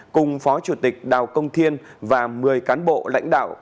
cùng phó chủ tịch đào công thiên và một mươi cán bộ lãnh đạo